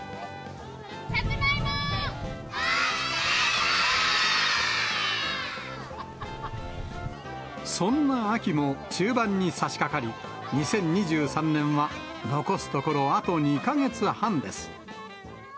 サツマイモ、そんな秋も中盤にさしかかり、２０２３年は残すところあと２か月半です。